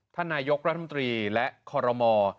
ท่านนายกรัฐมนตรีและคอรมอ